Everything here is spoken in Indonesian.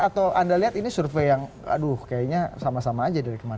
atau anda lihat ini survei yang sama sama saja dari kemarin